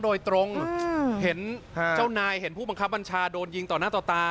โดยตรงเห็นเจ้านายเห็นผู้บังคับบัญชาโดนยิงต่อหน้าต่อตา